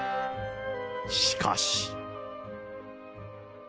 しかし。